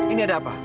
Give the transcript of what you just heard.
ini ada apa